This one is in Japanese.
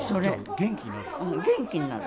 うん、元気になる。